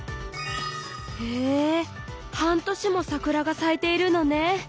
へえ半年も桜が咲いているのね。